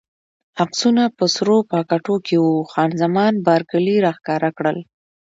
عکسونه په سرو پاکټو کې وو، خان زمان بارکلي راښکاره کړل.